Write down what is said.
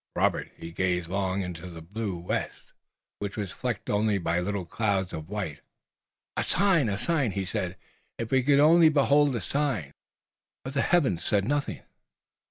Like Robert he gazed long into the blue west, which was flecked only by little clouds of white. "A sign! A sign!" he said. "If we could only behold a sign!" But the heavens said nothing.